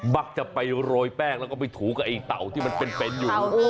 มักจะไปโรยแป้งแล้วก็ไปถูกับไอ้เต่าที่มันเป็นอยู่